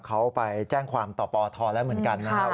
เขาไปแจ้งความต่อปทแล้วเหมือนกันนะครับ